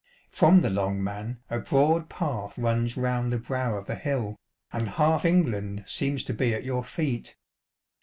From the Long Man a broad path runs round the brow of the hill, and half England seems to be at your feet.